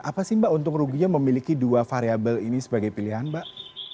apa sih mbak untung ruginya memiliki dua variable ini sebagai pilihan mbak